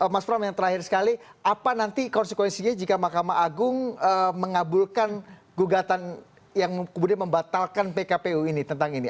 mas pram yang terakhir sekali apa nanti konsekuensinya jika mahkamah agung mengabulkan gugatan yang kemudian membatalkan pkpu ini tentang ini